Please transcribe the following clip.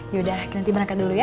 yaudah nanti berangkat dulu ya